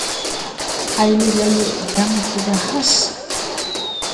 Hayle ga yeʼ daʼ mo po ga has.